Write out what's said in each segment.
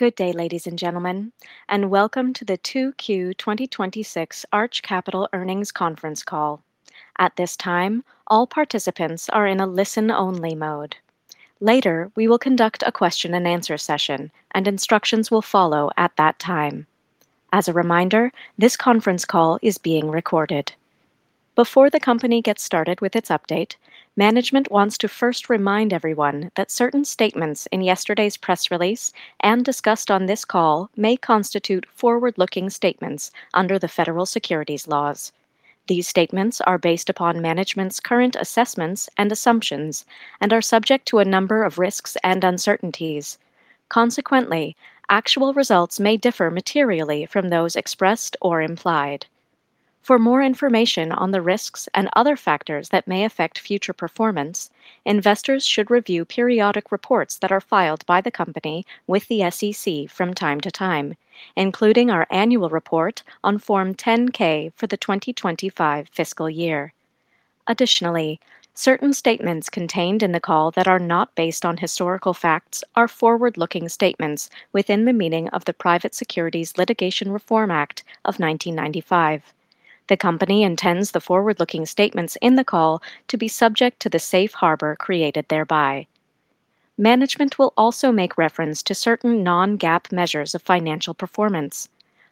Good day, ladies and gentlemen, and welcome to the 2Q 2026 Arch Capital earnings conference call. At this time, all participants are in a listen-only mode. Later, we will conduct a question and answer session, and instructions will follow at that time. As a reminder, this conference call is being recorded. Before the company gets started with its update, management wants to first remind everyone that certain statements in yesterday's press release and discussed on this call may constitute forward-looking statements under the federal securities laws. These statements are based upon management's current assessments and assumptions and are subject to a number of risks and uncertainties. Consequently, actual results may differ materially from those expressed or implied. For more information on the risks and other factors that may affect future performance, investors should review periodic reports that are filed by the company with the SEC from time to time, including our annual report on Form 10-K for the 2025 fiscal year. Additionally, certain statements contained in the call that are not based on historical facts are forward-looking statements within the meaning of the Private Securities Litigation Reform Act of 1995. The company intends the forward-looking statements in the call to be subject to the safe harbor created thereby. Management will also make reference to certain non-GAAP measures of financial performance.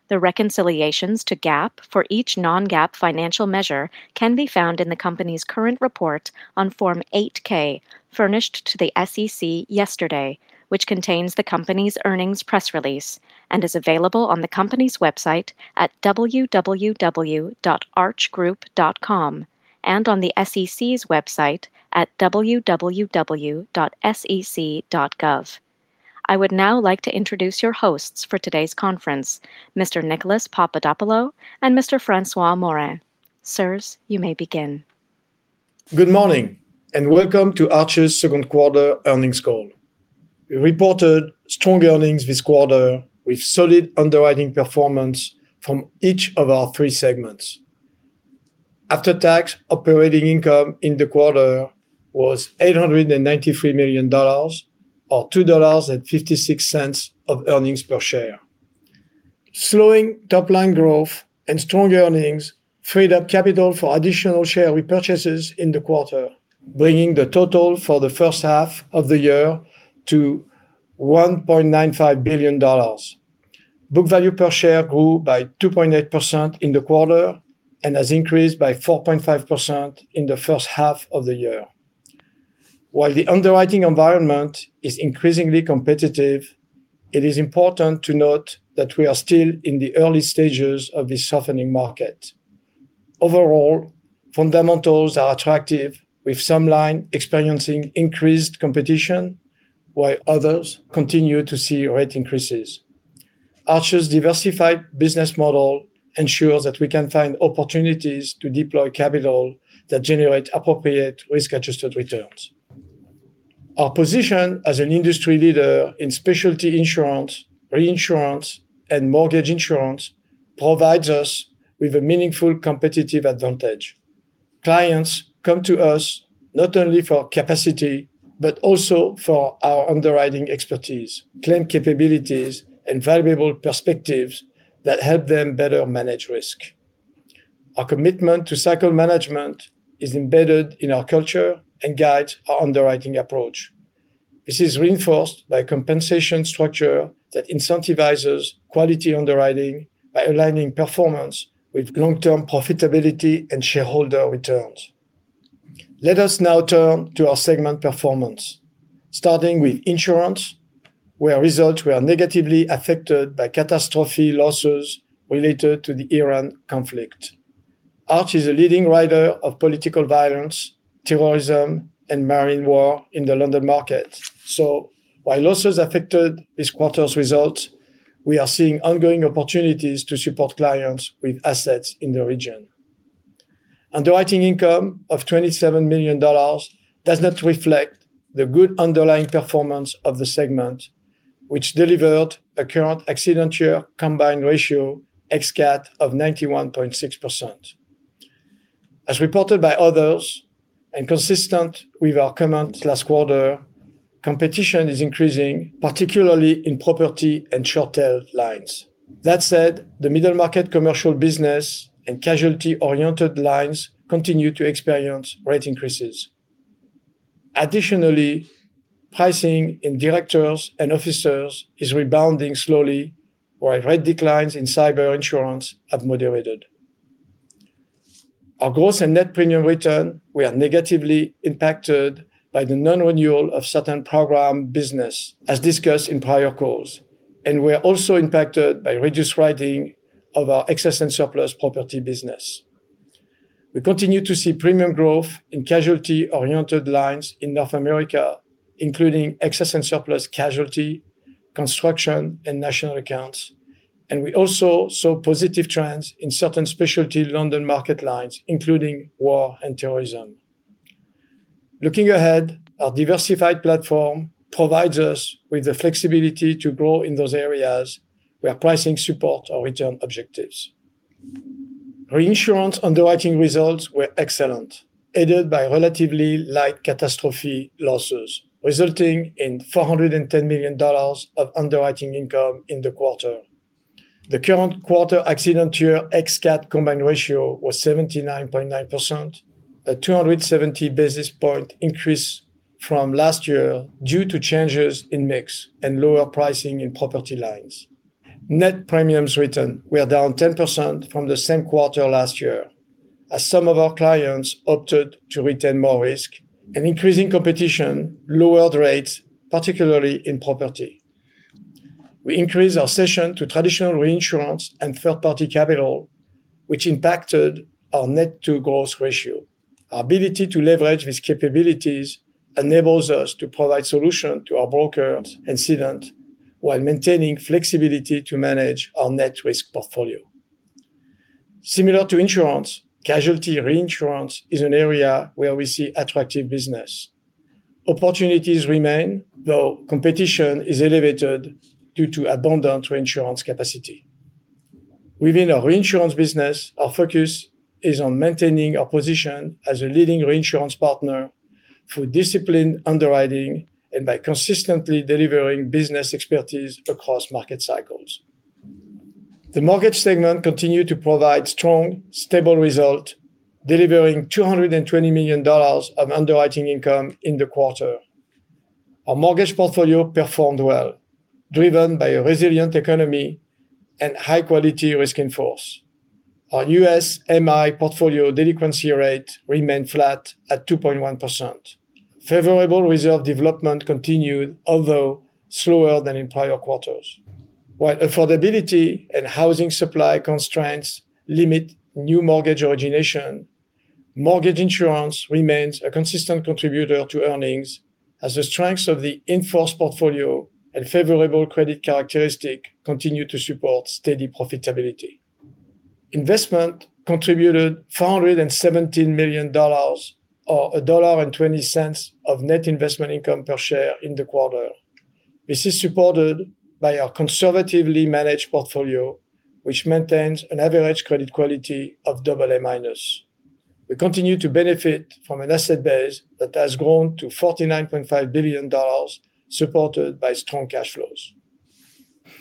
The reconciliations to GAAP for each non-GAAP financial measure can be found in the company's current report on Form 8-K furnished to the SEC yesterday, which contains the company's earnings press release and is available on the company's website at www.archgroup.com and on the SEC's website at www.sec.gov. I would now like to introduce your hosts for today's conference, Mr. Nicolas Papadopoulo and Mr. François Morin. Sirs, you may begin. Good morning, welcome to Arch's second quarter earnings call. We reported strong earnings this quarter with solid underwriting performance from each of our three segments. After-tax operating income in the quarter was $893 million, or $2.56 of earnings per share. Slowing top-line growth and strong earnings freed up capital for additional share repurchases in the quarter, bringing the total for the first half of the year to $1.95 billion. Book value per share grew by 2.8% in the quarter and has increased by 4.5% in the first half of the year. While the underwriting environment is increasingly competitive, it is important to note that we are still in the early stages of this softening market. Overall, fundamentals are attractive, with some lines experiencing increased competition while others continue to see rate increases. Arch's diversified business model ensures that we can find opportunities to deploy capital that generate appropriate risk-adjusted returns. Our position as an industry leader in specialty insurance, reinsurance, and mortgage insurance provides us with a meaningful competitive advantage. Clients come to us not only for capacity, but also for our underwriting expertise, claim capabilities, and valuable perspectives that help them better manage risk. Our commitment to cycle management is embedded in our culture and guides our underwriting approach. This is reinforced by a compensation structure that incentivizes quality underwriting by aligning performance with long-term profitability and shareholder returns. Let us now turn to our segment performance. Starting with insurance, where results were negatively affected by catastrophe losses related to the Iran conflict. Arch is a leading writer of political violence, terrorism, and marine war in the London market. While losses affected this quarter's results, we are seeing ongoing opportunities to support clients with assets in the region. Underwriting income of $27 million does not reflect the good underlying performance of the segment, which delivered a current accident year combined ratio, ex-CAT, of 91.6%. As reported by others and consistent with our comments last quarter, competition is increasing, particularly in property and short tail lines. That said, the middle market commercial business and casualty-oriented lines continue to experience rate increases. Additionally, pricing in directors and officers is rebounding slowly, while rate declines in cyber insurance have moderated. Our gross and net premium written were negatively impacted by the non-renewal of certain program business, as discussed in prior calls. We're also impacted by reduced writing of our excess and surplus property business. We continue to see premium growth in casualty-oriented lines in North America, including excess and surplus casualty, construction, and national accounts. We also saw positive trends in certain specialty London market lines, including war and terrorism. Looking ahead, our diversified platform provides us with the flexibility to grow in those areas where pricing supports our return objectives. Reinsurance underwriting results were excellent, aided by relatively light catastrophe losses, resulting in $410 million of underwriting income in the quarter. The current quarter accident year ex-CAT combined ratio was 79.9%, a 270 basis point increase from last year due to changes in mix and lower pricing in property lines. Net premiums written were down 10% from the same quarter last year, as some of our clients opted to retain more risk. Increasing competition lowered rates, particularly in property. We increased our cession to traditional reinsurance and third-party capital, which impacted our net-to-gross ratio. Our ability to leverage these capabilities, enables us to provide solution to--, while maintaining flexibility to manage our net risk portfolio. Similar to insurance, casualty reinsurance is an area where we see attractive business. Opportunities remain, though competition is elevated due to abundant reinsurance capacity. Within our reinsurance business, our focus is on maintaining our position as a leading reinsurance partner through disciplined underwriting and by consistently delivering business expertise across market cycles. The mortgage segment continued to provide strong, stable results, delivering $220 million of underwriting income in the quarter. Our mortgage portfolio performed well, driven by a resilient economy and high-quality risk in-force. Our USMI portfolio delinquency rate remained flat at 2.1%. Favorable reserve development continued, although slower than in prior quarters. While affordability and housing supply constraints limit new mortgage origination, mortgage insurance remains a consistent contributor to earnings as the strengths of the in-force portfolio and favorable credit characteristics continue to support steady profitability. Investment contributed $417 million, or $1.20 of net investment income per share in the quarter. This is supported by our conservatively managed portfolio, which maintains an average credit quality of A. We continue to benefit from an asset base that has grown to $49.5 billion, supported by strong cash flows.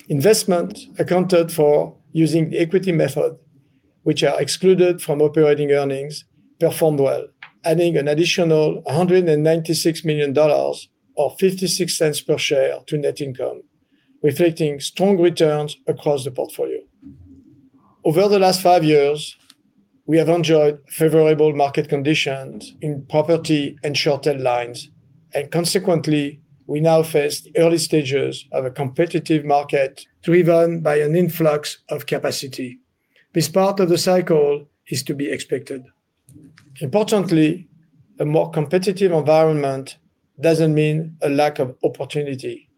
Investments accounted for using the equity method, which are excluded from operating earnings, performed well, adding an additional $196 million, or $0.56 per share to net income, reflecting strong returns across the portfolio. Over the last five years, we have enjoyed favorable market conditions in property and short tail lines, and consequently, we now face the early stages of a competitive market driven by an influx of capacity. This part of the cycle is to be expected. Importantly, a more competitive environment doesn't mean a lack of opportunity.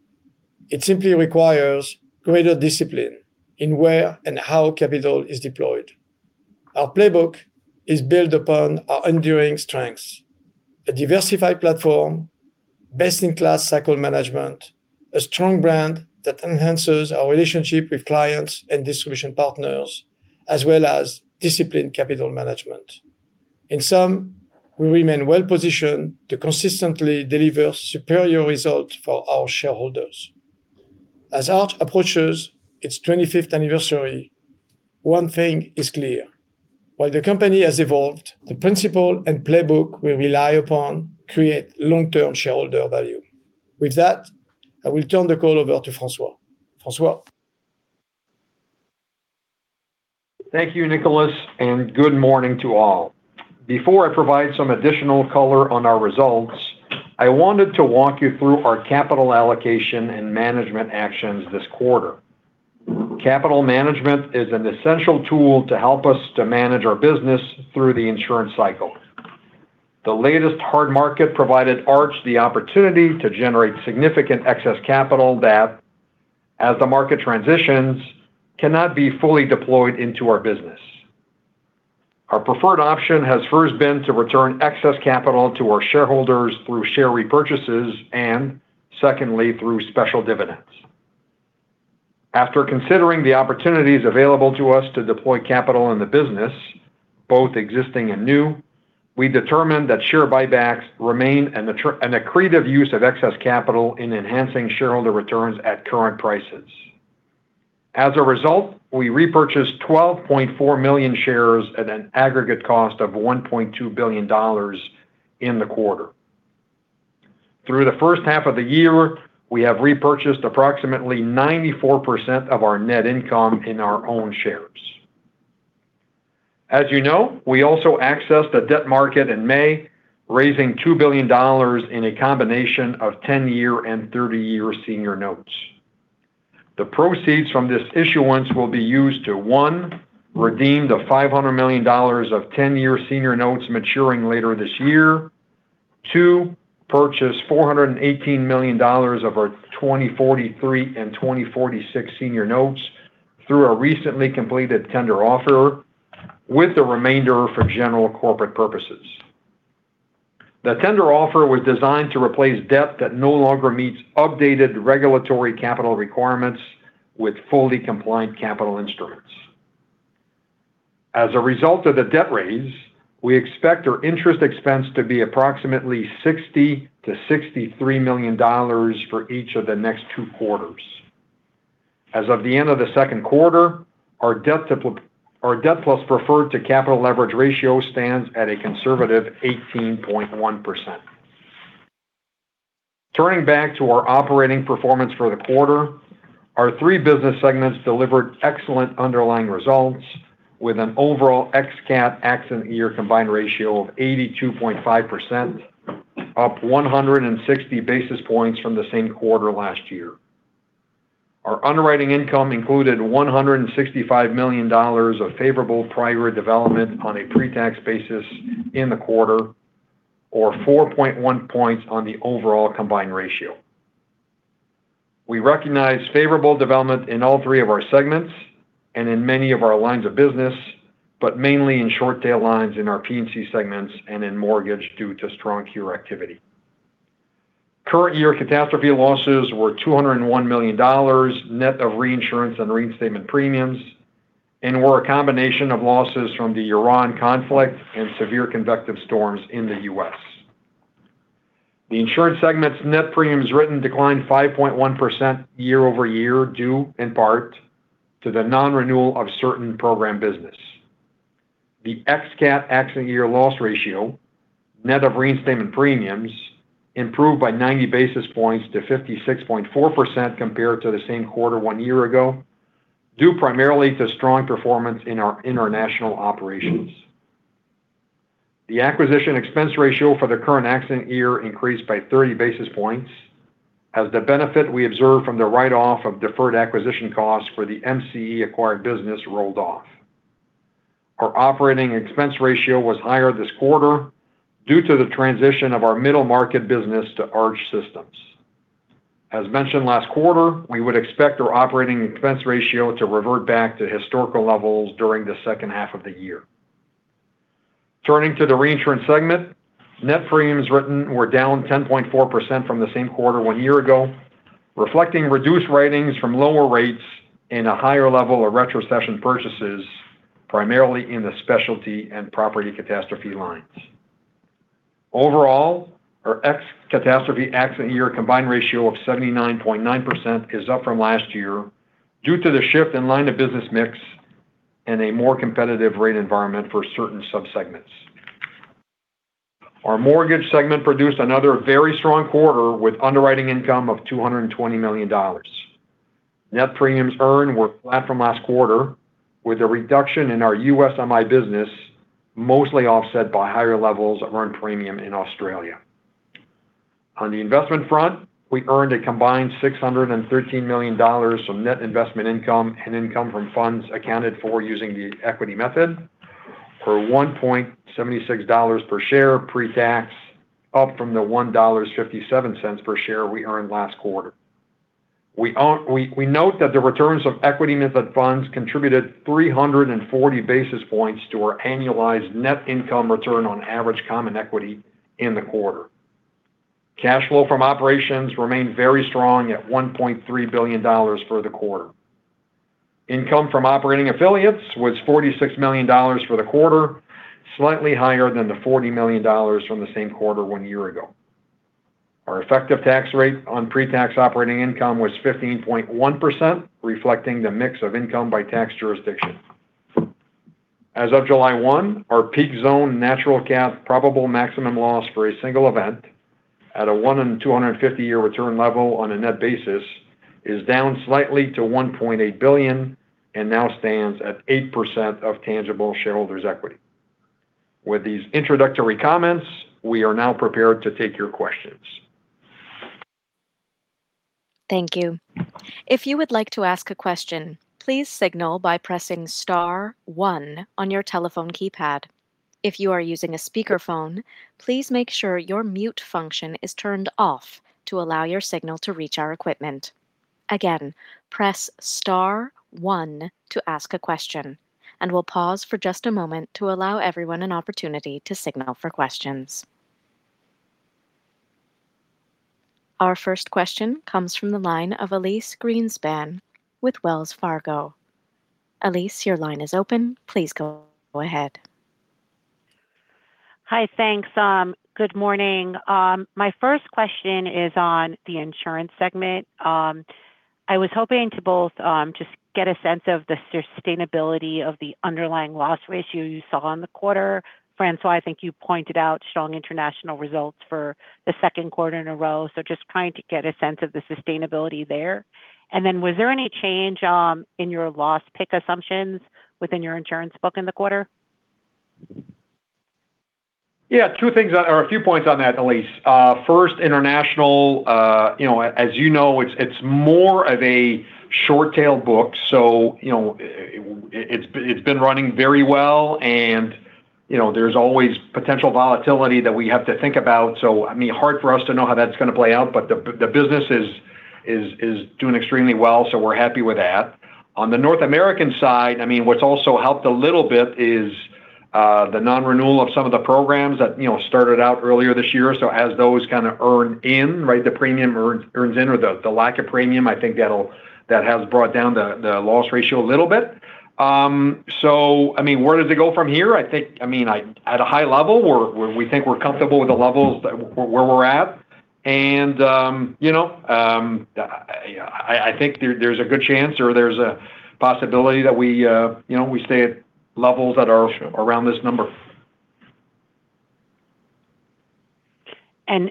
It simply requires greater discipline in where and how capital is deployed. Our playbook is built upon our enduring strengths: a diversified platform, best-in-class cycle management, a strong brand that enhances our relationship with clients and distribution partners, as well as disciplined capital management. In sum, we remain well positioned to consistently deliver superior results for our shareholders. As Arch approaches its 25th anniversary, one thing is clear. While the company has evolved, the principle and playbook we rely upon create long-term shareholder value. With that, I will turn the call over to François. François? Thank you, Nicolas, and good morning to all. Before I provide some additional color on our results, I wanted to walk you through our capital allocation and management actions this quarter. Capital management is an essential tool to help us to manage our business through the insurance cycle. The latest hard market provided Arch the opportunity to generate significant excess capital that, as the market transitions, cannot be fully deployed into our business. Our preferred option has first been to return excess capital to our shareholders through share repurchases and secondly, through special dividends. After considering the opportunities available to us to deploy capital in the business, both existing and new, we determined that share buybacks remain an accretive use of excess capital in enhancing shareholder returns at current prices. As a result, we repurchased 12.4 million shares at an aggregate cost of $1.2 billion in the quarter. Through the first half of the year, we have repurchased approximately 94% of our net income in our own shares. As you know, we also accessed the debt market in May, raising $2 billion in a combination of 10-year and 30-year senior notes. The proceeds from this issuance will be used to, one, redeem the $500 million of 10-year senior notes maturing later this year. Two, purchase $418 million of our 2043 and 2046 senior notes through a recently completed tender offer, with the remainder for general corporate purposes. The tender offer was designed to replace debt that no longer meets updated regulatory capital requirements with fully compliant capital instruments. As a result of the debt raise, we expect our interest expense to be approximately $60 million-$63 million for each of the next two quarters. As of the end of the second quarter, our debt plus preferred to capital leverage ratio stands at a conservative 18.1%. Turning back to our operating performance for the quarter, our three business segments delivered excellent underlying results, with an overall ex-CAT accident year combined ratio of 82.5%, up 160 basis points from the same quarter last year. Our underwriting income included $165 million of favorable prior year development on a pre-tax basis in the quarter or 4.1 points on the overall combined ratio. We recognized favorable development in all three of our segments and in many of our lines of business, but mainly in short tail lines in our P&C segments and in mortgage due to strong cure activity. Current year catastrophe losses were $201 million, net of reinsurance and reinstatement premiums, and were a combination of losses from the Iran conflict and severe convective storms in the U.S. The insurance segment's net premiums written declined 5.1% year-over-year, due in part to the non-renewal of certain program business. The ex-CAT accident year loss ratio, net of reinstatement premiums, improved by 90 basis points to 56.4% compared to the same quarter one year ago, due primarily to strong performance in our international operations. The acquisition expense ratio for the current accident year increased by 30 basis points, as the benefit we observed from the write-off of deferred acquisition costs for the MCE acquired business rolled off. Our operating expense ratio was higher this quarter due to the transition of our middle market business to Arch Systems. As mentioned last quarter, we would expect our operating expense ratio to revert back to historical levels during the second half of the year. Turning to the reinsurance segment, net premiums written were down 10.4% from the same quarter one year ago, reflecting reduced writings from lower rates and a higher level of retrocession purchases, primarily in the specialty and property catastrophe lines. Overall, our ex-catastrophe accident year combined ratio of 79.9% is up from last year due to the shift in line of business mix and a more competitive rate environment for certain sub-segments. Our mortgage segment produced another very strong quarter with underwriting income of $220 million. Net premiums earned were flat from last quarter, with a reduction in our USMI business mostly offset by higher levels of earned premium in Australia. On the investment front, we earned a combined $613 million from net investment income and income from funds accounted for using the equity method, for $1.76 per share pre-tax, up from the $1.57 per share we earned last quarter. We note that the returns of equity method funds contributed 340 basis points to our annualized net income return on average common equity in the quarter. Cash flow from operations remained very strong at $1.3 billion for the quarter. Income from operating affiliates was $46 million for the quarter, slightly higher than the $40 million from the same quarter one year ago. Our effective tax rate on pre-tax operating income was 15.1%, reflecting the mix of income by tax jurisdiction. As of July 1, our peak zone natural CAT probable maximum loss for a single event at a 1 in 250 year return level on a net basis is down slightly to $1.8 billion and now stands at 8% of tangible shareholders' equity. With these introductory comments, we are now prepared to take your questions. Thank you. If you would like to ask a question, please signal by pressing star one on your telephone keypad. If you are using a speakerphone, please make sure your mute function is turned off to allow your signal to reach our equipment. Again, press star one to ask a question. We'll pause for just a moment to allow everyone an opportunity to signal for questions. Our first question comes from the line of Elyse Greenspan with Wells Fargo. Elyse, your line is open. Please go ahead. Hi, thanks. Good morning. My first question is on the insurance segment. I was hoping to both just get a sense of the sustainability of the underlying loss ratio you saw in the quarter. François, I think you pointed out strong international results for the second quarter in a row, just trying to get a sense of the sustainability there. Was there any change in your loss pick assumptions within your insurance book in the quarter? Yeah, a few points on that, Elyse. First, international, as you know, it's more of a short tail book, it's been running very well. There's always potential volatility that we have to think about, hard for us to know how that's going to play out, but the business is doing extremely well, we're happy with that. On the North American side, what's also helped a little bit is the non-renewal of some of the programs that started out earlier this year. As those kind of earn in, the premium earns in, or the lack of premium, I think that has brought down the loss ratio a little bit. Where does it go from here? I think at a high level, we think we're comfortable with the levels where we're at. I think there's a good chance or there's a possibility that we stay at levels that are around this number.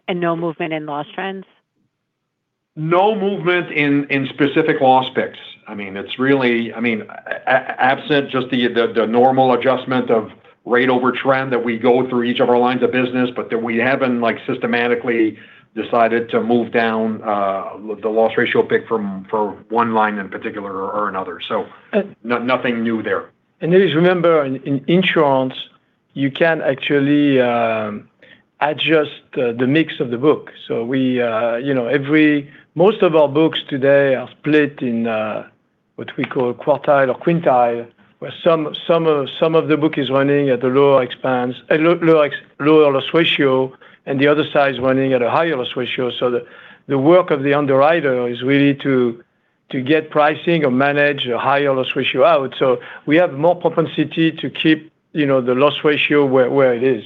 No movement in loss trends? No movement in specific loss picks. Absent just the normal adjustment of rate over trend that we go through each of our lines of business, but we haven't systematically decided to move down the loss ratio pick for one line in particular or another. Nothing new there. Just remember, in insurance, you can actually adjust the mix of the book. Most of our books today are split in what we call quartile or quintile, where some of the book is running at a lower loss ratio and the other side is running at a higher loss ratio. The work of the underwriter is really to get pricing or manage a higher loss ratio out. We have more propensity to keep the loss ratio where it is.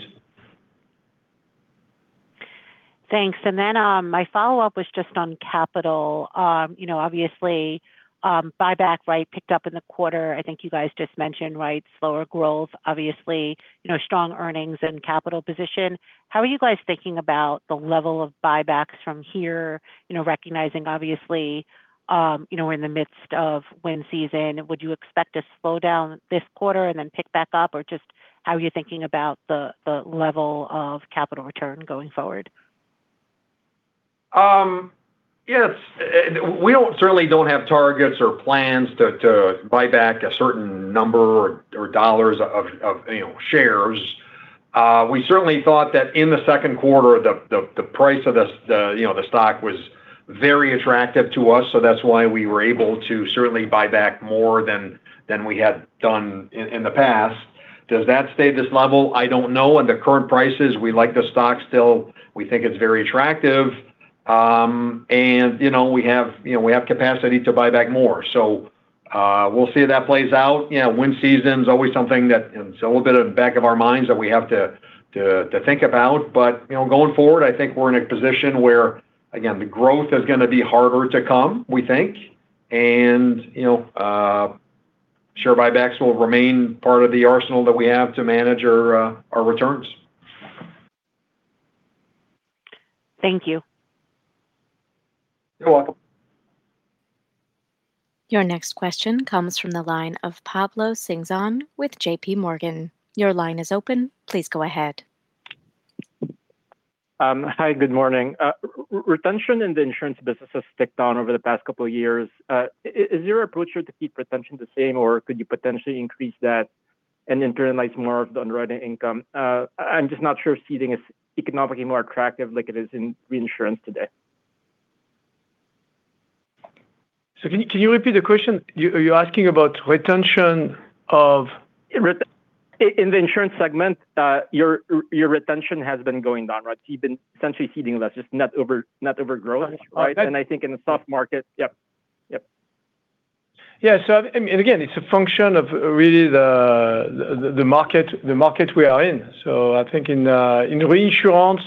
Thanks. Then my follow-up was just on capital. Obviously, buyback picked up in the quarter. I think you guys just mentioned slower growth, obviously, strong earnings and capital position. How are you guys thinking about the level of buybacks from here, recognizing, obviously, we're in the midst of wind season? Would you expect to slow down this quarter and then pick back up, or just how are you thinking about the level of capital return going forward? Yes. We certainly don't have targets or plans to buy back a certain number or dollars of shares. We certainly thought that in the second quarter, the price of the stock was very attractive to us, so that's why we were able to certainly buy back more than we had done in the past. Does that stay this level? I don't know. In the current prices, we like the stock still. We think it's very attractive. We have capacity to buy back more. We'll see if that plays out. Wind season's always something that is a little bit in the back of our minds that we have to think about. Going forward, I think we're in a position where, again, the growth is going to be harder to come, we think, and share buybacks will remain part of the arsenal that we have to manage our returns. Thank you. You're welcome. Your next question comes from the line of Pablo Singzon with JPMorgan. Your line is open. Please go ahead. Hi, good morning. Retention in the insurance business has ticked on over the past couple of years. Is your approach here to keep retention the same, or could you potentially increase that and internalize more of the underwriting income? I'm just not sure ceding is economically more attractive like it is in reinsurance today. Can you repeat the question? Are you asking about retention of- In the insurance segment, your retention has been going down, right? You've been essentially ceding less, just not overgrowing. Underwriting. I think in the soft market, yep. Yeah. Again, it's a function of really the market we are in. I think in reinsurance,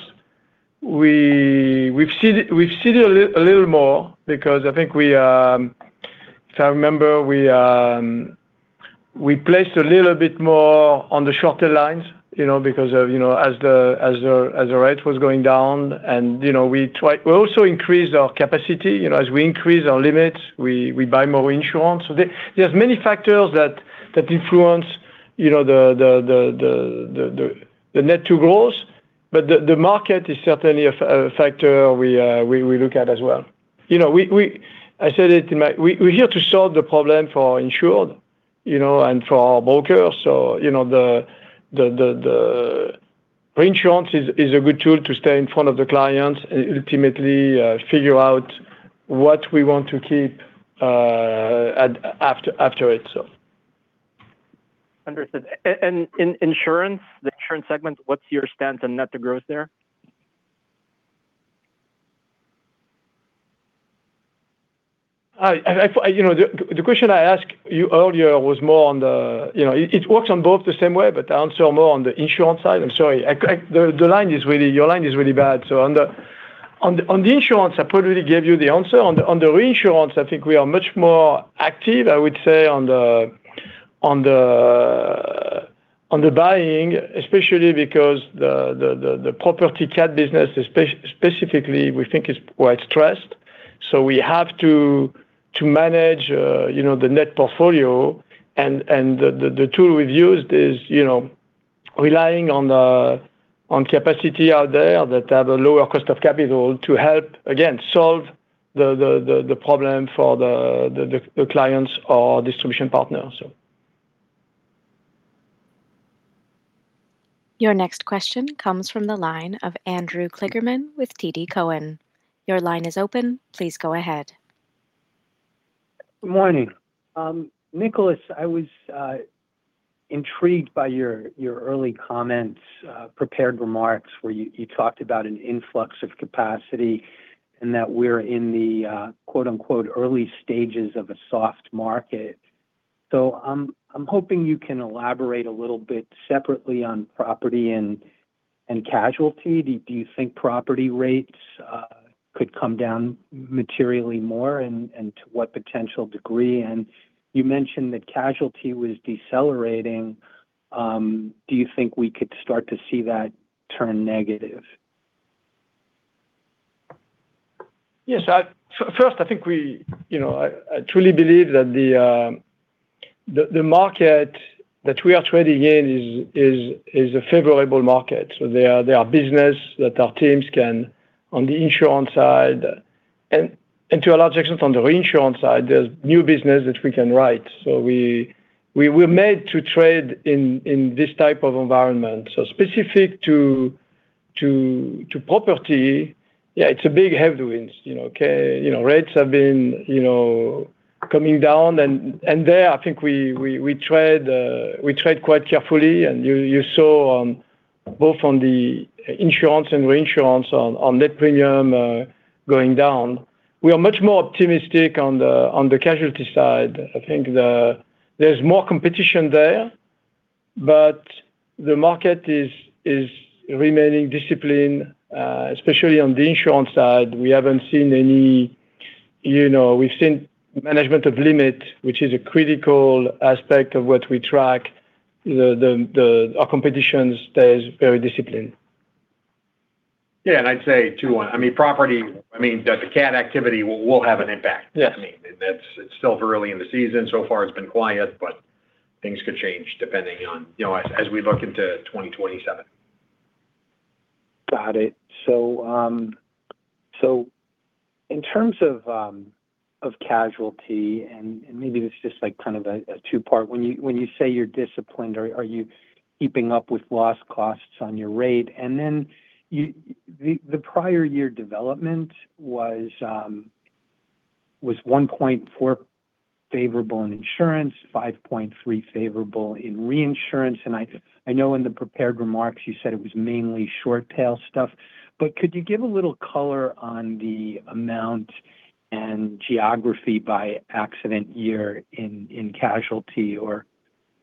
we've ceded a little more because I think if I remember, we placed a little bit more on the shorter lines, because as the rate was going down, and we also increased our capacity. As we increase our limits, we buy more insurance. There's many factors that influence the net to gross, but the market is certainly a factor we look at as well. We're here to solve the problem for insured and for our brokers. The reinsurance is a good tool to stay in front of the clients, ultimately figure out what we want to keep after it. Understood. In insurance, the insurance segment, what's your stance on net to gross there? The question I asked you earlier was more on the It works on both the same way, but I'll answer more on the insurance side. I'm sorry. Your line is really bad. On the insurance, I probably gave you the answer. On the reinsurance, I think we are much more active, I would say, on the buying, especially because the property CAT business specifically, we think is quite stressed. We have to manage the net portfolio, and the tool we've used is relying on capacity out there that have a lower cost of capital to help, again, solve the problem for the clients or distribution partners. Your next question comes from the line of Andrew Kligerman with TD Cowen. Your line is open. Please go ahead. Good morning. Nicolas, I was intrigued by your early comments, prepared remarks, where you talked about an influx of capacity and that we're in the "early stages of a soft market." I'm hoping you can elaborate a little bit separately on property and casualty. Do you think property rates could come down materially more, and to what potential degree? You mentioned that casualty was decelerating. Do you think we could start to see that turn negative? Yes. First, I truly believe that the market that we are trading in is a favorable market. There are business that our teams can, on the insurance side, and to a large extent on the reinsurance side, there's new business that we can write. We're made to trade in this type of environment. Specific to property, yeah, it's a big headwind. Rates have been coming down, there, I think we trade quite carefully, and you saw both on the insurance and reinsurance on net premium going down. We are much more optimistic on the casualty side. I think there's more competition there, the market is remaining disciplined, especially on the insurance side. We've seen management of limit, which is a critical aspect of what we track. Our competition stays very disciplined. Yeah, I'd say, too, on property, the CAT activity will have an impact. Yes. It's still early in the season. Far it's been quiet, things could change depending on as we look into 2027. Got it. In terms of casualty, and maybe this is just a two-part, when you say you're disciplined, are you keeping up with loss costs on your rate? Then the prior year development was $1.4 favorable in insurance, $5.3 favorable in reinsurance, and I know in the prepared remarks you said it was mainly short tail stuff, but could you give a little color on the amount and geography by accident year in casualty? Or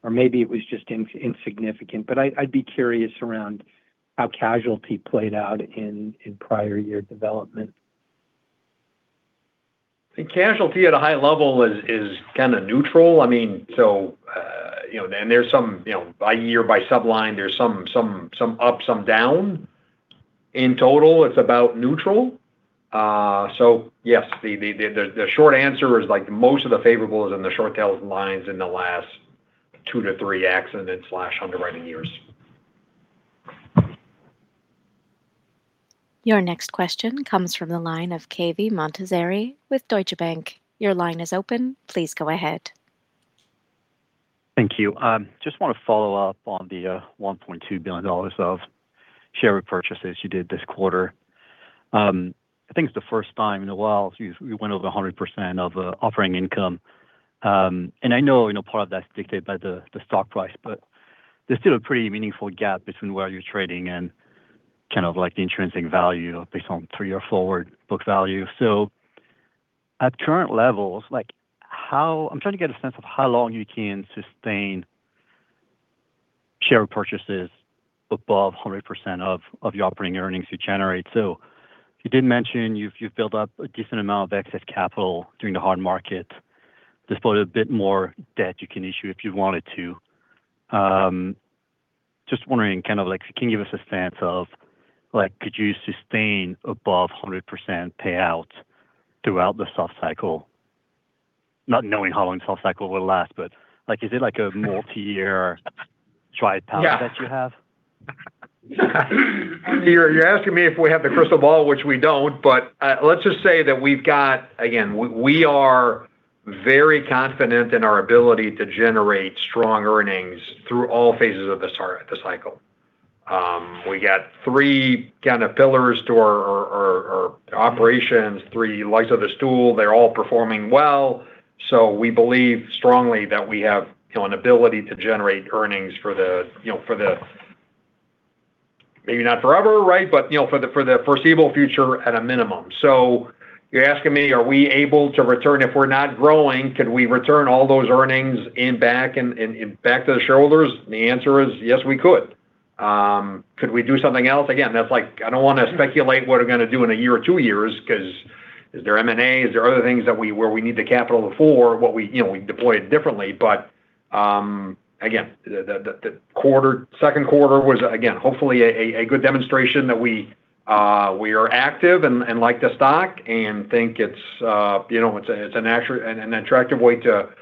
maybe it was just insignificant, but I'd be curious around how casualty played out in prior year development. I think casualty at a high level is kind of neutral. By year, by sub-line, there's some up, some down. In total, it's about neutral. Yes, the short answer is most of the favorable is in the short tail lines in the last two to three accident/underwriting years. Your next question comes from the line of Cave Montazeri with Deutsche Bank. Your line is open. Please go ahead. Thank you. Just want to follow up on the $1.2 billion of share repurchases you did this quarter. I think it's the first time in a while you went over 100% of offering income. And I know part of that's dictated by the stock price, but there's still a pretty meaningful gap between where you're trading and kind of the intrinsic value based on three-year forward book value. At current levels, I'm trying to get a sense of how long you can sustain share repurchases above 100% of your operating earnings you generate. You did mention you've built up a decent amount of excess capital during the hard market. There's probably a bit more debt you can issue if you wanted to. Just wondering, can you give us a sense of could you sustain above 100% payouts throughout the soft cycle? Not knowing how long the soft cycle will last, is it like a multi-year tripod that you have? You're asking me if we have the crystal ball, which we don't, let's just say that we are very confident in our ability to generate strong earnings through all phases of the cycle. We got three pillars to our operations, three legs of the stool. They're all performing well. We believe strongly that we have an ability to generate earnings for the, maybe not forever, but for the foreseeable future at a minimum. You're asking me, are we able to return if we're not growing, could we return all those earnings back to the shareholders? The answer is yes, we could. Could we do something else? I don't want to speculate what we're going to do in a year or two years, because is there M&A? Is there other things where we need the capital before what we deployed differently. Again, the second quarter was, again, hopefully a good demonstration that we are active and like the stock and think it's an attractive way to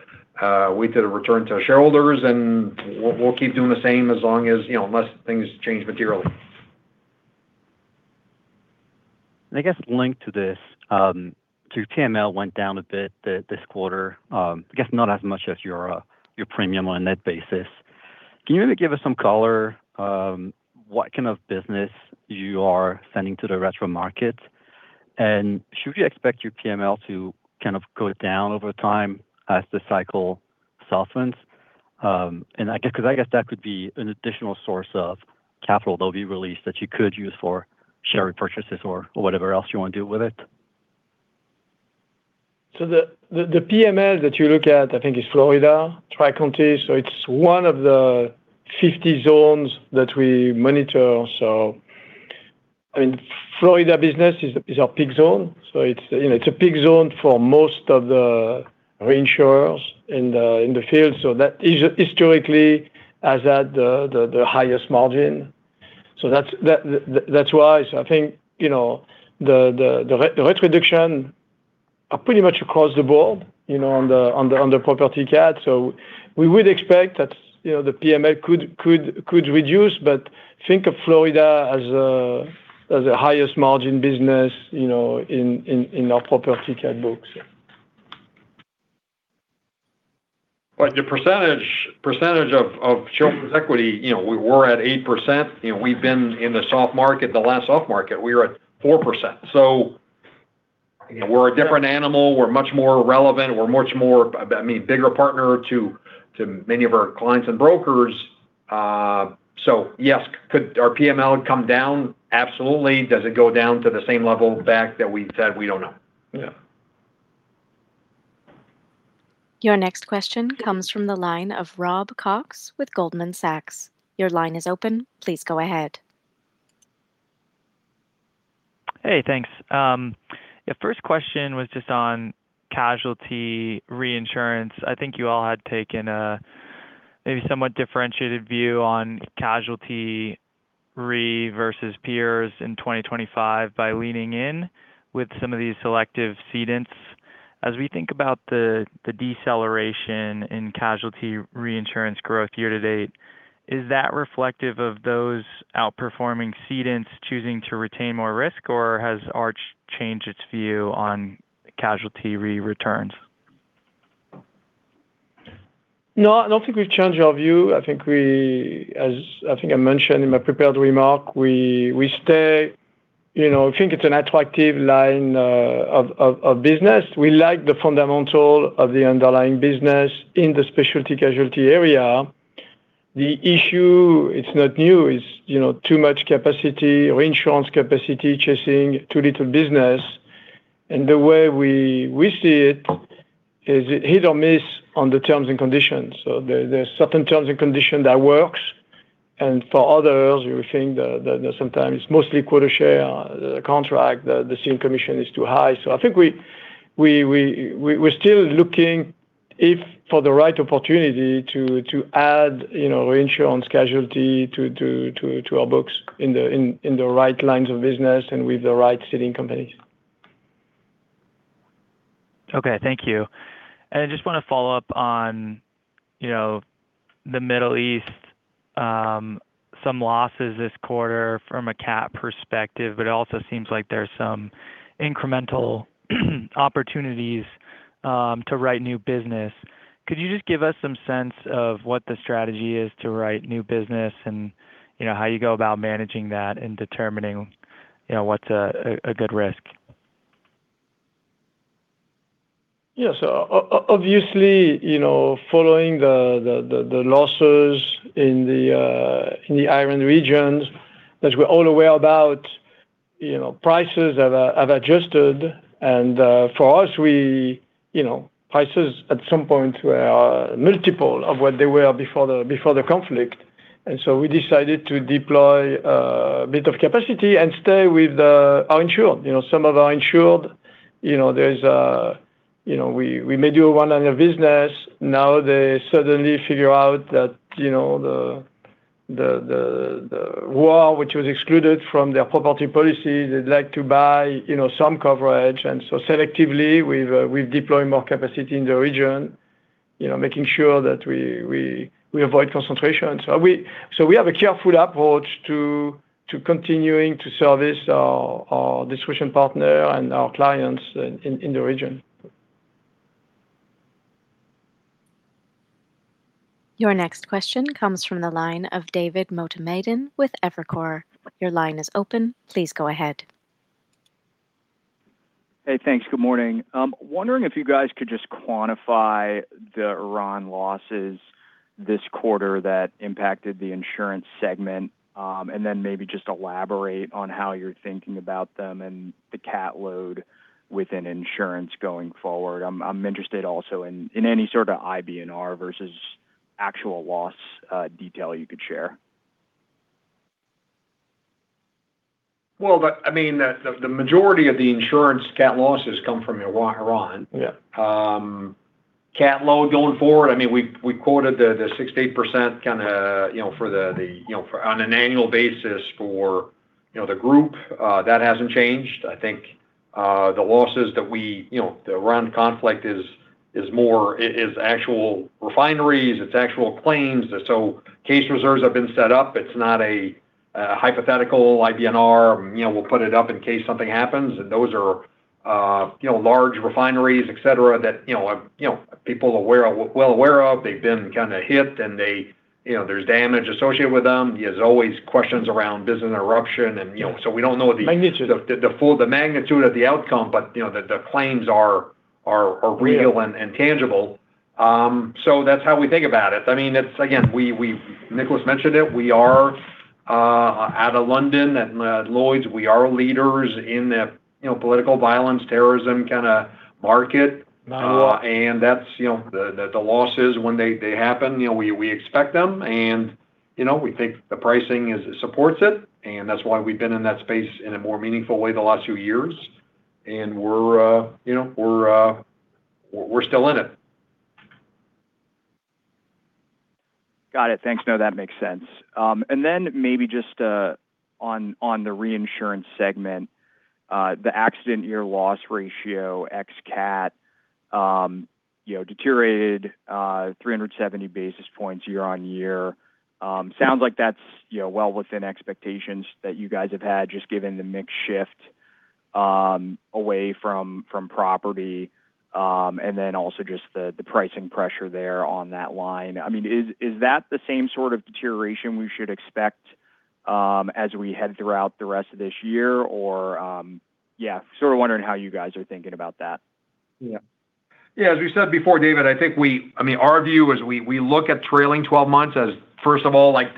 return to shareholders, and we'll keep doing the same as long as, unless things change materially. I guess linked to this, your PML went down a bit this quarter, I guess not as much as your premium on a net basis. Can you maybe give us some color, what kind of business you are sending to the retro markets? Should we expect your PML to kind of go down over time as the cycle softens? I guess because that could be an additional source of capital that will be released that you could use for share repurchases or whatever else you want to do with it. The PML that you look at, I think, is Florida Tri-County. It's one of the 50 zones that we monitor. Florida business is our peak zone. It's a peak zone for most of the reinsurers in the field. That historically has had the highest margin. That's why. I think, the retroduction are pretty much across the board on the property CAT. We would expect that the PML could reduce, but think of Florida as the highest margin business in our property CAT books. The percentage of shareholder's equity, we were at 8%. We've been in the soft market, the last soft market, we were at 4%. We're a different animal. We're much more relevant. We're much more a bigger partner to many of our clients and brokers. Yes, could our PML come down? Absolutely. Does it go down to the same level back that we said? We don't know. Yeah. Your next question comes from the line of Rob Cox with Goldman Sachs. Your line is open. Please go ahead. Hey, thanks. Yeah, first question was just on casualty reinsurance. I think you all had taken a maybe somewhat differentiated view on casualty re versus peers in 2025 by leaning in with some of these selective cedents. As we think about the deceleration in casualty reinsurance growth year to date, is that reflective of those outperforming cedents choosing to retain more risk, or has Arch changed its view on casualty re returns? No, I don't think we've changed our view. I think, as I mentioned in my prepared remark, we think it's an attractive line of business. We like the fundamental of the underlying business in the specialty casualty area. The issue, it's not new, it's too much capacity, reinsurance capacity chasing too little business. The way we see it is hit or miss on the terms and conditions. There's certain terms and condition that works, and for others, we think that sometimes mostly quota share contract, the same commission is too high. I think we're still looking for the right opportunity to add reinsurance casualty to our books in the right lines of business and with the right ceding companies. Okay. Thank you. I just want to follow up on the Middle East, some losses this quarter from a CAT perspective, it also seems like there's some incremental opportunities to write new business. Could you just give us some sense of what the strategy is to write new business and how you go about managing that and determining what's a good risk? Yeah. Obviously, following the losses in the Iran regions, as we're all aware about, prices have adjusted. For us, prices at some point were a multiple of what they were before the conflict. We decided to deploy a bit of capacity and stay with our insured. Some of our insured, we made you a one-liner business. Now they suddenly figure out that the war, which was excluded from their property policy, they'd like to buy some coverage. Selectively, we've deployed more capacity in the region, making sure that we avoid concentration. We have a careful approach to continuing to service our distribution partner and our clients in the region. Your next question comes from the line of David Motemaden with Evercore. Your line is open. Please go ahead. Hey, thanks. Good morning. I'm wondering if you guys could just quantify the Iran losses this quarter that impacted the insurance segment, maybe just elaborate on how you're thinking about them and the CAT load within insurance going forward. I'm interested also in any sort of IBNR versus actual loss detail you could share. Well, the majority of the insurance CAT losses come from Iran. Yeah. CAT load going forward, we quoted the 68% on an annual basis for the group. That hasn't changed. The Iran conflict is more, is actual refineries, it's actual claims. Case reserves have been set up. It's not a hypothetical IBNR, we'll put it up in case something happens. Those are large refineries, et cetera, that people are well aware of. They've been hit and there's damage associated with them. There's always questions around business interruption we don't know the- Magnitude the full, the magnitude of the outcome, the claims are real. Yeah and tangible. That's how we think about it. Again, Nicolas mentioned it, we are out of London at Lloyd's. We are leaders in the political violence, terrorism market. That's the losses when they happen. We expect them and we think the pricing supports it, and that's why we've been in that space in a more meaningful way the last few years. We're still in it. Got it. Thanks. That makes sense. Maybe just on the reinsurance segment, the accident year loss ratio, ex-CAT deteriorated 370 basis points year-on-year. Sounds like that's well within expectations that you guys have had, just given the mix shift away from property. Also just the pricing pressure there on that line. Is that the same sort of deterioration we should expect as we head throughout the rest of this year or Yeah, sort of wondering how you guys are thinking about that. Yeah. Yeah. As we said before, David, our view is we look at trailing 12 months as first of all, like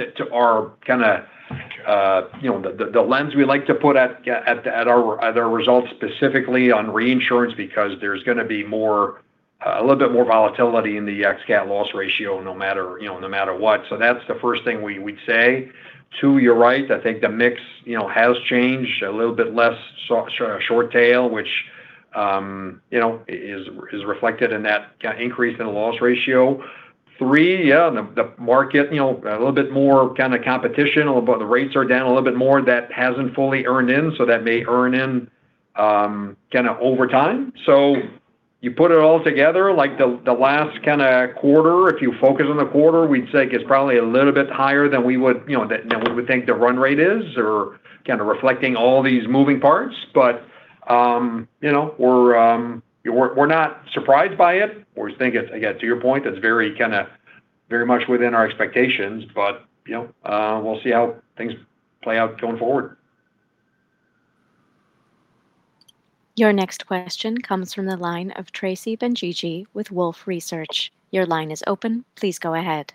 the lens we like to put at our results specifically on reinsurance, because there's going to be a little bit more volatility in the ex-CAT loss ratio no matter what. That's the first thing we'd say. Two, you're right. I think the mix has changed a little bit less short tail, which is reflected in that increase in the loss ratio. Three, yeah, the market, a little bit more kind of competition, the rates are down a little bit more that hasn't fully earned in, so that may earn in over time. You put it all together, like the last quarter, if you focus on the quarter, we'd say it's probably a little bit higher than we would think the run rate is, or kind of reflecting all these moving parts. We're not surprised by it. We think it's, again, to your point, that's very much within our expectations, but we'll see how things play out going forward. Your next question comes from the line of Tracy Benguigui with Wolfe Research. Your line is open. Please go ahead.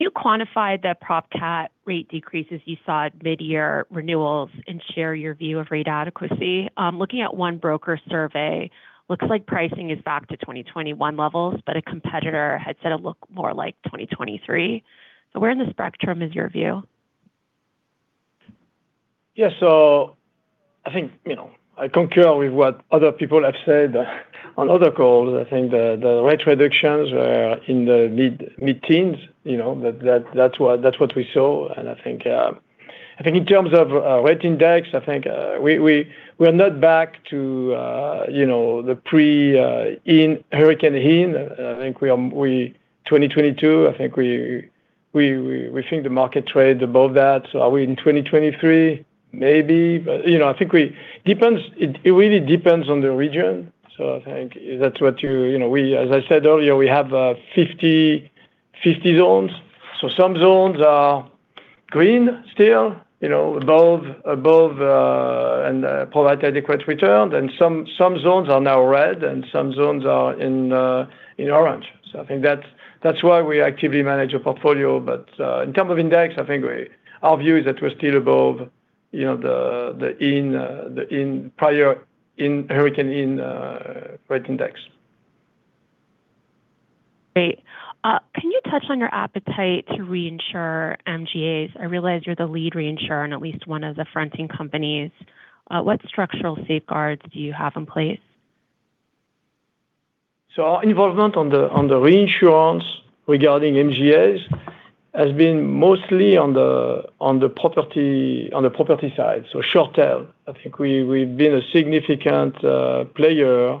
Can you quantify the prop CAT rate decreases you saw at mid-year renewals and share your view of rate adequacy? Looking at one broker survey, looks like pricing is back to 2021 levels, but a competitor had said it looked more like 2023. Where in the spectrum is your view? I think, I concur with what other people have said on other calls. I think the rate reductions were in the mid-teens. That's what we saw, and I think in terms of rate index, I think we are not back to the pre Hurricane Ian. I think 2022, I think we think the market trades above that. Are we in 2023? Maybe, but it really depends on the region. I think that's what, as I said earlier, we have 50 zones. Some zones are green still, above and provide adequate return. Some zones are now red and some zones are in orange. I think that's why we actively manage a portfolio. In terms of index, I think our view is that we're still above the prior Hurricane Ian rate index. Great. Can you touch on your appetite to reinsure MGAs? I realize you're the lead reinsurer in at least one of the fronting companies. What structural safeguards do you have in place? Our involvement on the reinsurance regarding MGAs has been mostly on the property side, so short tail. I think we've been a significant player,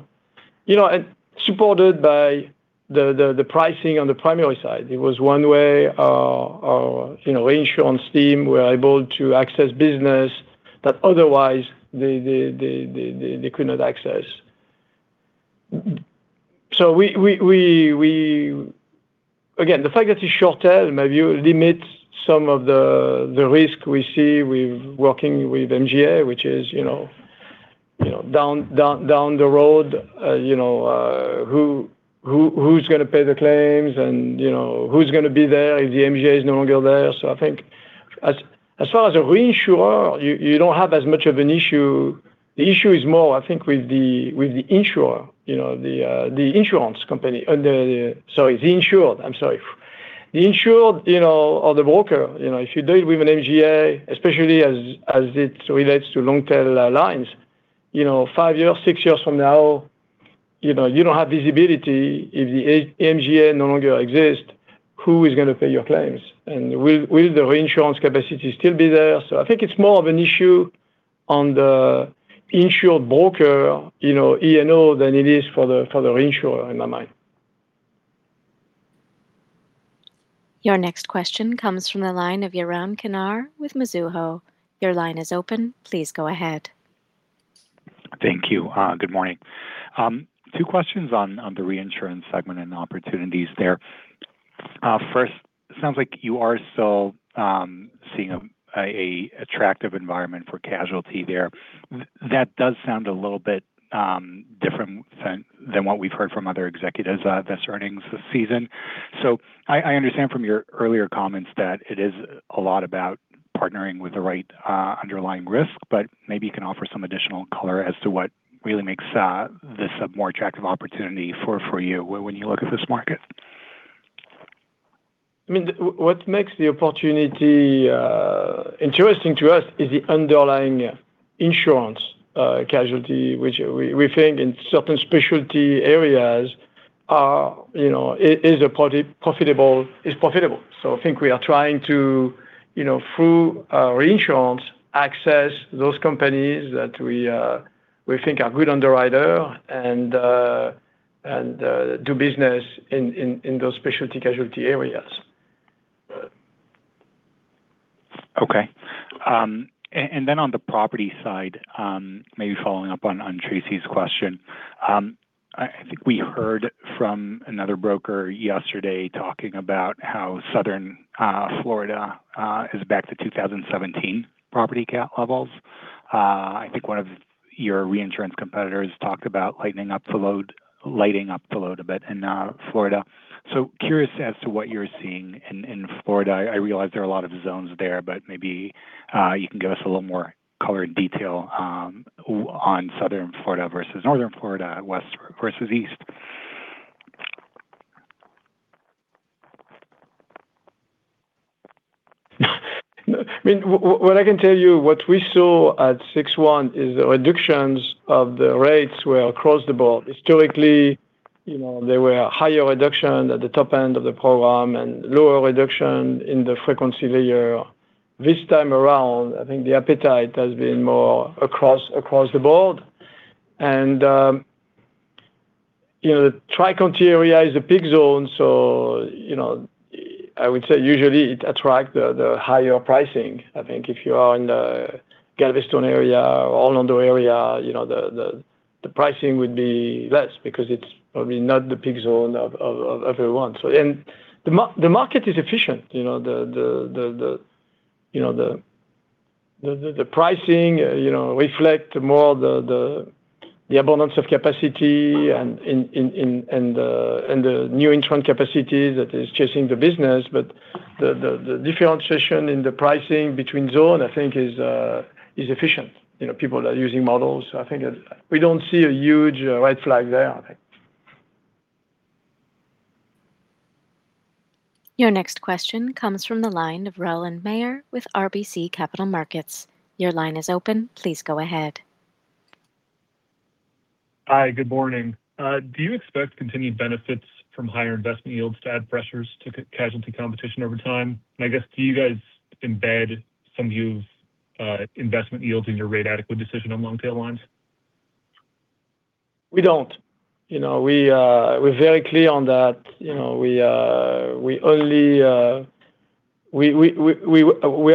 and supported by the pricing on the primary side. It was one way our insurance team were able to access business that otherwise they could not access. Again, the fact that it's short tail maybe limits some of the risk we see with working with MGA, which is down the road, who's going to pay the claims and who's going to be there if the MGA is no longer there. I think as far as a reinsurer, you don't have as much of an issue. The issue is more, I think, with the insurer, the insurance company, sorry, the insured, I'm sorry. The insured or the broker, if you deal with an MGA, especially as it relates to long tail lines, five years, six years from now. You don't have visibility if the MGA no longer exists, who is going to pay your claims? Will the reinsurance capacity still be there? I think it's more of an issue on the insured broker, E&O, than it is for the reinsurer, in my mind. Your next question comes from the line of Yaron Kinar with Mizuho. Your line is open. Please go ahead. Thank you. Good morning. Two questions on the reinsurance segment and opportunities there. First, it sounds like you are still seeing an attractive environment for casualty there. That does sound a little bit different than what we've heard from other executives this earnings season. I understand from your earlier comments that it is a lot about partnering with the right underlying risk, but maybe you can offer some additional color as to what really makes this a more attractive opportunity for you when you look at this market. What makes the opportunity interesting to us is the underlying insurance casualty, which we think in certain specialty areas is profitable. I think we are trying to, through reinsurance, access those companies that we think are good underwriter and do business in those specialty casualty areas. Okay. On the property side, maybe following up on Tracy's question. I think we heard from another broker yesterday talking about how Southern Florida is back to 2017 property CAT levels. I think one of your reinsurance competitors talked about lighting up the load a bit in Florida. Curious as to what you're seeing in Florida. I realize there are a lot of zones there, but maybe you can give us a little more color and detail on Southern Florida versus Northern Florida, West versus East. What I can tell you, what we saw at Six One is the reductions of the rates were across the board. Historically, there were higher reduction at the top end of the program and lower reduction in the frequency layer. This time around, I think the appetite has been more across the board. The Tri-County area is a big zone, so I would say usually it attract the higher pricing. I think if you are in the Galveston area, Orlando area, the pricing would be less because it's probably not the big zone of everyone. The market is efficient. The pricing reflect more the abundance of capacity and the new entrant capacity that is chasing the business. The differentiation in the pricing between zone, I think, is efficient. People are using models. We don't see a huge red flag there, I think. Your next question comes from the line of Roland Mayer with RBC Capital Markets. Your line is open. Please go ahead. Hi, good morning. Do you expect continued benefits from higher investment yields to add pressures to casualty competition over time? I guess, do you guys embed some view of investment yields in your rate adequate decision on long tail lines? We don't. We're very clear on that. We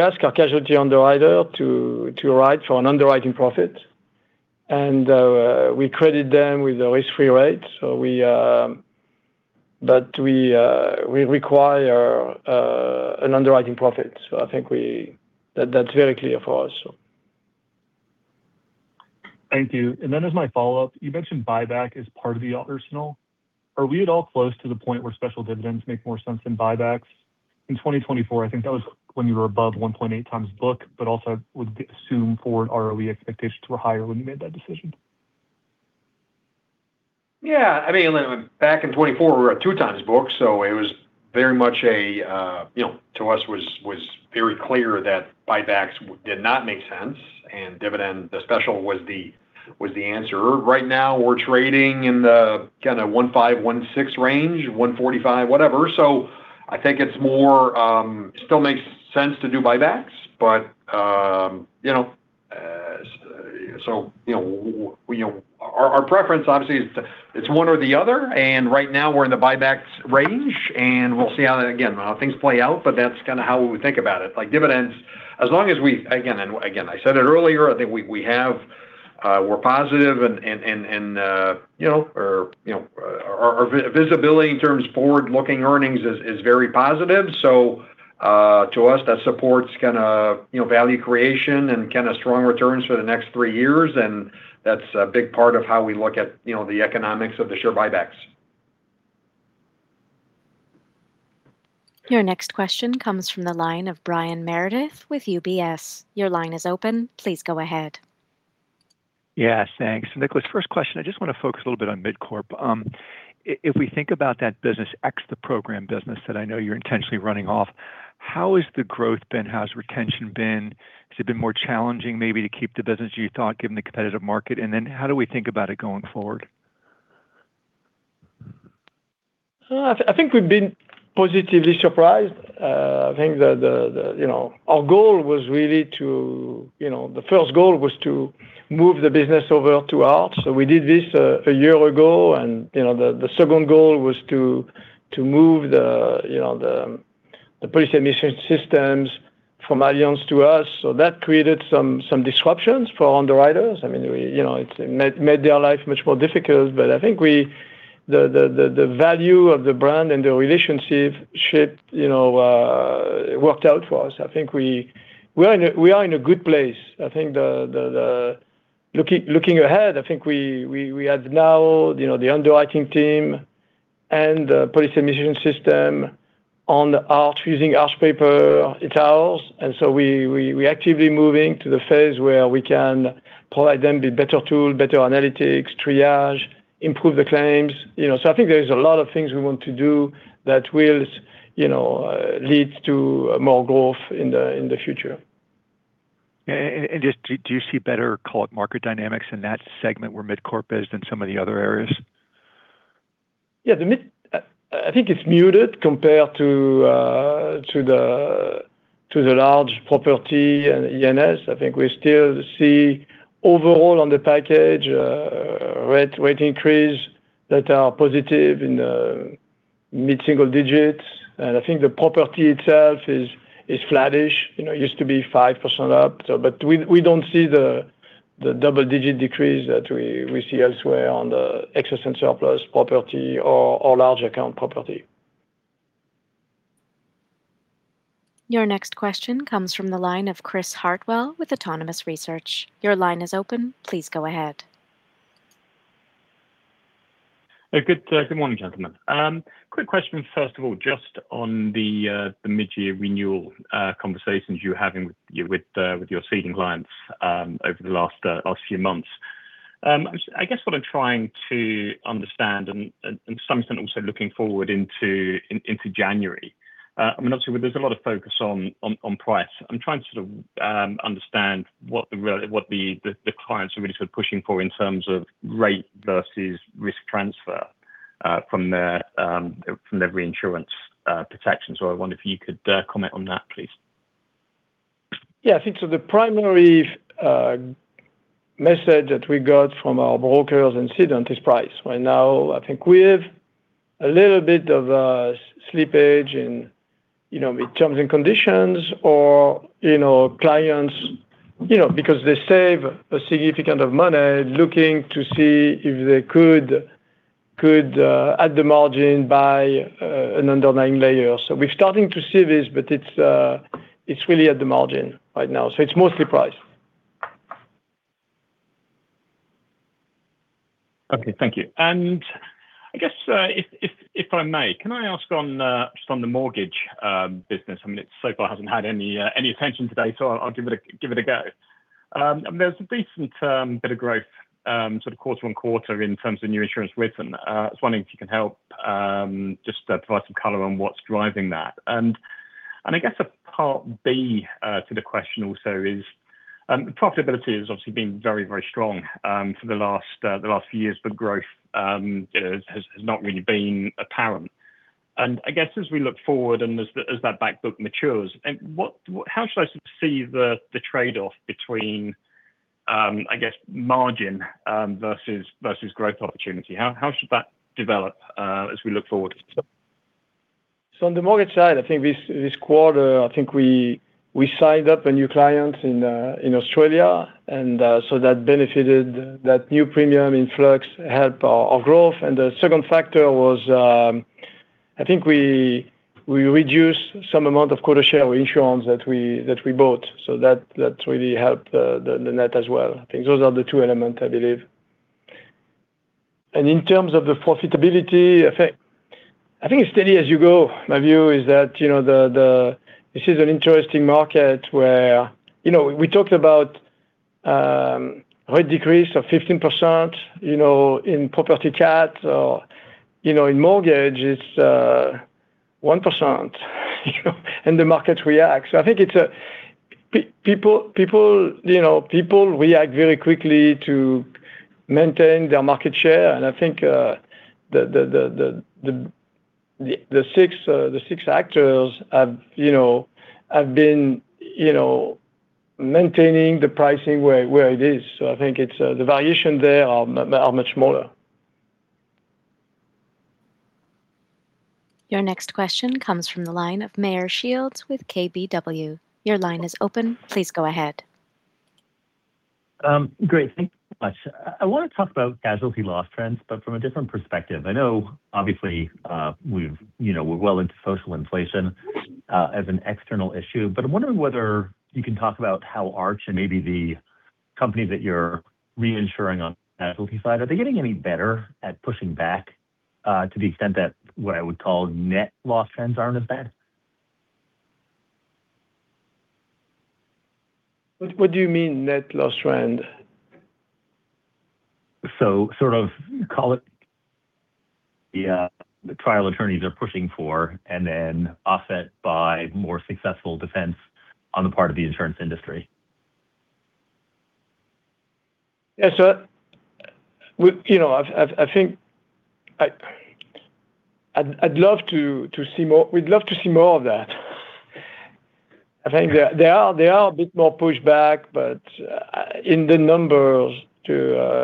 ask our casualty underwriter to write for an underwriting profit, and we credit them with the risk-free rate. We require an underwriting profit. I think that that's very clear for us. Thank you. As my follow-up, you mentioned buyback as part of the arsenal. Are we at all close to the point where special dividends make more sense than buybacks? In 2024, I think that was when you were above 1.8x book, also would assume forward ROE expectations were higher when you made that decision. Back in 2024, we were at 2x book, so it was very much, to us, was very clear that buybacks did not make sense, and dividend, the special was the answer. Right now, we're trading in the kind of 1.5-1.6 range, 1.45, whatever. I think it still makes sense to do buybacks. Our preference obviously it's one or the other, and right now we're in the buybacks range, and we'll see how that, again, how things play out, but that's kind of how we think about it. Dividends, again, I said it earlier, I think we're positive and our visibility in terms of forward-looking earnings is very positive. To us, that supports value creation and strong returns for the next three years, and that's a big part of how we look at the economics of the share buybacks. Your next question comes from the line of Brian Meredith with UBS. Your line is open. Please go ahead. Thanks. Nicolas, first question, I just want to focus a little bit on MidCorp. If we think about that business, ex the program business that I know you're intentionally running off. How has the growth been? How's retention been? Has it been more challenging maybe to keep the business you thought, given the competitive market? How do we think about it going forward? I think we've been positively surprised. I think that our first goal was to move the business over to Arch. We did this a year ago, and the second goal was to move the policy admission systems from Allianz to us. So that created some disruptions for underwriters. It made their life much more difficult, but I think the value of the brand and the relationship worked out for us. I think we are in a good place. I think looking ahead, I think we have now the underwriting team and the policy admission system on Arch, using Arch paper. We actively moving to the phase where we can provide them with better tool, better analytics, triage, improve the claims. I think there is a lot of things we want to do that will lead to more growth in the future. Just do you see better, call it market dynamics in that segment where MidCorp is than some of the other areas? Yeah. I think it's muted compared to the large property and E&S. I think we still see overall, on the package, rate increase that are positive in the mid-single digits. I think the property itself is flattish. It used to be 5% up. We don't see the double-digit decrease that we see elsewhere on the excess and surplus property or large account property. Your next question comes from the line of Chris Hartwell with Autonomous Research. Your line is open. Please go ahead. Good morning, gentlemen. Quick question, first of all, just on the mid-year renewal conversations you're having with your seeding clients over the last few months. I guess what I'm trying to understand, and to some extent also looking forward into January, obviously there's a lot of focus on price. I'm trying to sort of understand what the clients are really sort of pushing for in terms of rate versus risk transfer from their reinsurance protection. I wonder if you could comment on that, please. Yeah. The primary message that we got from our brokers and cedant is price. Right now, I think we have a little bit of a slippage in terms and conditions or clients, because they save significant money looking to see if they could at the margin buy an underlying layer. We're starting to see this, but it's really at the margin right now. It's mostly price. Okay. Thank you. I guess, if I may, can I ask just on the mortgage business, it so far hasn't had any attention today, I'll give it a go. There's a decent bit of growth quarter-on-quarter in terms of new insurance written. I was wondering if you can help just provide some color on what's driving that. I guess a part B to the question also is, profitability has obviously been very strong for the last few years, but growth has not really been apparent. I guess as we look forward and as that back book matures, how should I sort of see the trade-off between, I guess, margin versus growth opportunity? How should that develop as we look forward? On the mortgage side, this quarter, I think we signed up a new client in Australia, that benefited that new premium influx help our growth. The second factor was, I think we reduced some amount of quota share insurance that we bought. That really helped the net as well. I think those are the two elements, I believe. In terms of the profitability effect, I think it's steady as you go. My view is that this is an interesting market where we talked about rate decrease of 15% in property CAT, or in mortgage, it's 1% and the market reacts. I think people react very quickly to maintain their market share, and I think the six actors have been maintaining the pricing where it is. I think the valuation there are much smaller. Your next question comes from the line of Meyer Shields with KBW. Your line is open. Please go ahead. Great. Thank you very much. I want to talk about casualty loss trends, but from a different perspective. I know obviously, we're well into social inflation as an external issue, but I'm wondering whether you can talk about how Arch and maybe the company that you're reinsuring on the casualty side, are they getting any better at pushing back to the extent that what I would call net loss trends aren't as bad? What do you mean net loss trend? Sort of call it the trial attorneys are pushing for and then offset by more successful defense on the part of the insurance industry. Yeah. We'd love to see more of that. I think there are a bit more pushback, but in the numbers,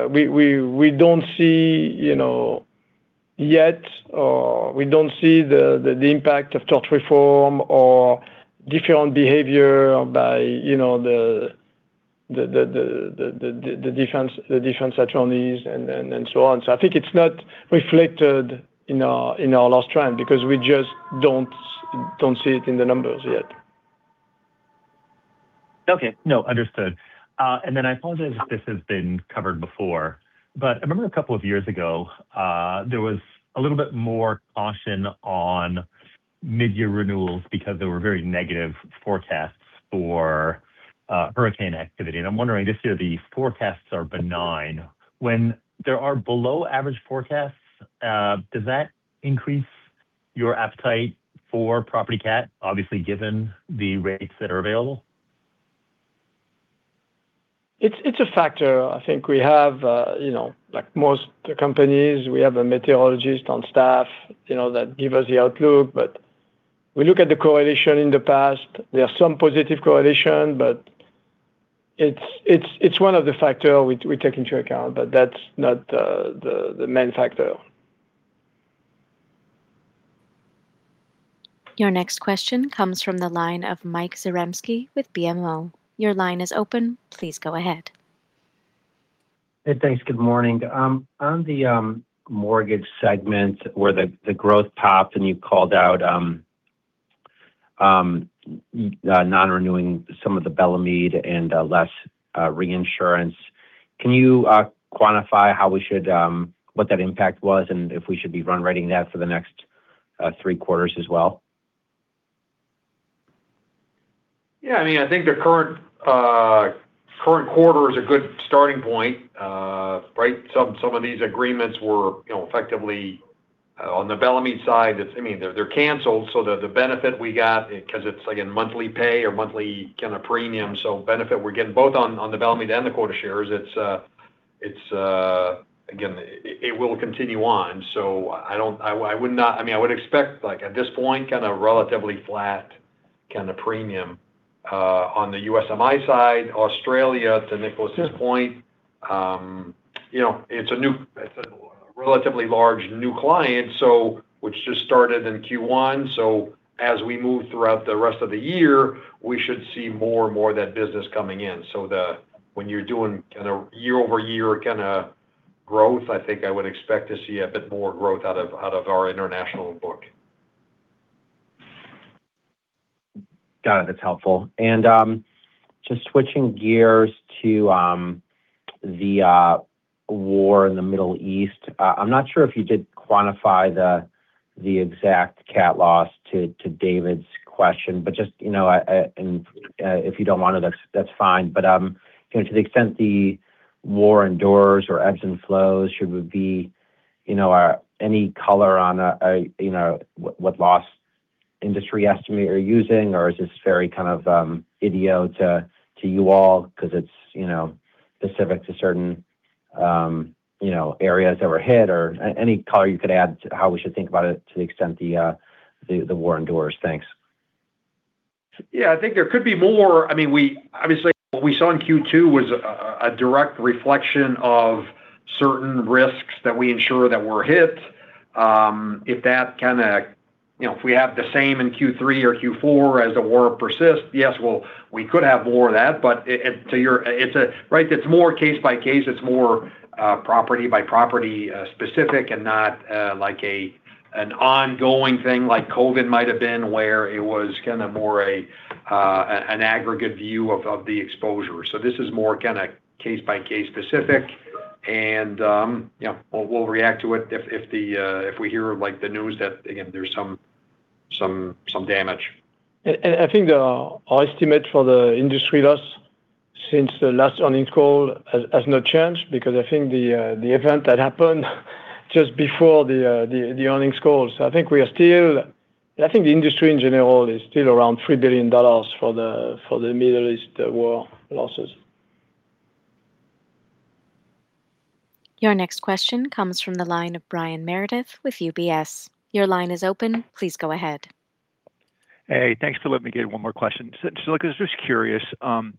we don't see yet, or we don't see the impact of tort reform or different behavior by the defense attorneys and so on. I think it's not reflected in our loss trend because we just don't see it in the numbers yet. I apologize if this has been covered before, but I remember a couple of years ago, there was a little bit more caution on mid-year renewals because there were very negative forecasts for hurricane activity. I'm wondering this year, the forecasts are benign. When they are below average forecasts, does that increase your appetite for property CAT, obviously, given the rates that are available? It's a factor. I think we have, like most companies, we have a meteorologist on staff that give us the outlook. We look at the correlation in the past. There are some positive correlation, but it's one of the factor we take into account, but that's not the main factor. Your next question comes from the line of Michael Zaremski with BMO. Your line is open. Please go ahead. Hey, thanks. Good morning. On the mortgage segment where the growth popped and you called out non-renewing some of the Bellemeade and less reinsurance, can you quantify what that impact was and if we should be run rating that for the next three quarters as well? Yeah, I think the current quarter is a good starting point. Some of these agreements were effectively on the Bellemeade side, they're canceled, the benefit we got, because it's again, monthly pay or monthly premium. The benefit we're getting both on the Bellemeade and the quota shares. It will continue on, I would expect at this point, relatively flat kind of premium. On the USMI side, Australia, to Nicolas's point, it's a relatively large new client which just started in Q1. As we move throughout the rest of the year, we should see more and more of that business coming in. When you're doing year-over-year growth, I think I would expect to see a bit more growth out of our international book. Got it. That's helpful. Just switching gears to the war in the Middle East. I'm not sure if you did quantify the exact CAT loss to David's question, and if you don't want to, that's fine. To the extent the war endures or ebbs and flows, should we be any color on what loss industry estimate you're using? Is this very idiosyncratic to you all because it's specific to certain areas that were hit or any color you could add to how we should think about it to the extent the war endures. Thanks. Yeah, I think there could be more. Obviously, what we saw in Q2 was a direct reflection of certain risks that we ensure that were hit. If we have the same in Q3 or Q4 as the war persists, yes, we could have more of that, but it's more case by case. It's more property by property specific and not an ongoing thing like COVID might have been, where it was more an aggregate view of the exposure. This is more case by case specific, and we'll react to it if we hear the news that, again, there's some damage. I think our estimate for the industry loss since the last earnings call has not changed because I think the event that happened just before the earnings call. I think the industry in general is still around $3 billion for the Middle East war losses. Your next question comes from the line of Brian Meredith with UBS. Your line is open. Please go ahead. Hey, thanks for letting me get one more question. Look, I was just curious. You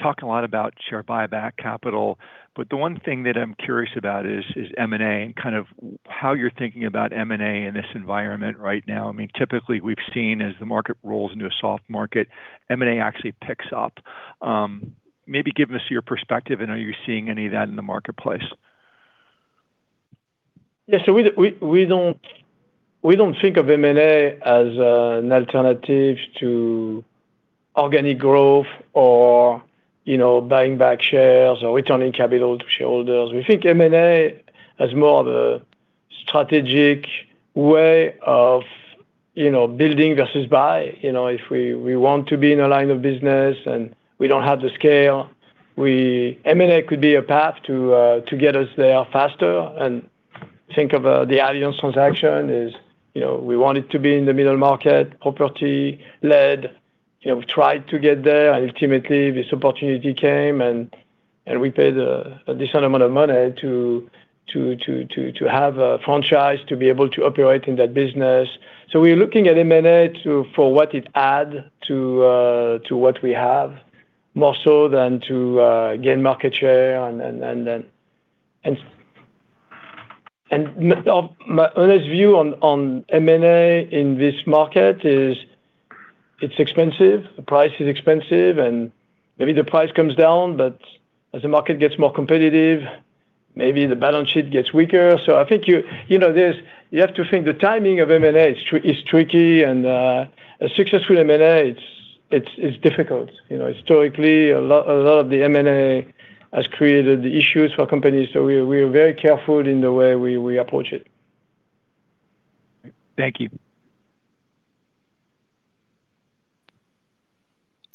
talk a lot about share buyback capital, but the one thing that I'm curious about is M&A and how you're thinking about M&A in this environment right now. Typically, we've seen as the market rolls into a soft market, M&A actually picks up. Maybe give us your perspective, are you seeing any of that in the marketplace? Yeah, we don't think of M&A as an alternative to organic growth or buying back shares or returning capital to shareholders. We think M&A as more of a strategic way of building versus buy. If we want to be in a line of business and we don't have the scale, M&A could be a path to get us there faster. Think of the Allianz transaction is we wanted to be in the middle market, property led. We tried to get there, ultimately, this opportunity came, we paid a decent amount of money to have a franchise to be able to operate in that business. We're looking at M&A for what it adds to what we have, more so than to gain market share. My honest view on M&A in this market is it's expensive. The price is expensive, maybe the price comes down, as the market gets more competitive, maybe the balance sheet gets weaker. I think you have to think the timing of M&A is tricky, a successful M&A, it's difficult. Historically, a lot of the M&A has created issues for companies, we are very careful in the way we approach it. Thank you.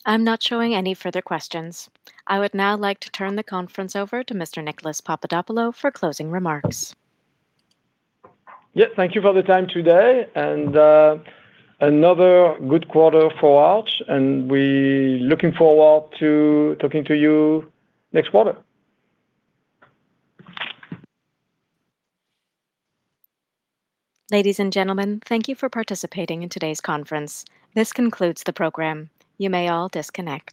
I'm not showing any further questions. I would now like to turn the conference over to Mr. Nicolas Papadopoulo for closing remarks. Yeah. Thank you for the time today, and another good quarter for Arch, and we looking forward to talking to you next quarter. Ladies and gentlemen, thank you for participating in today's conference. This concludes the program. You may all disconnect.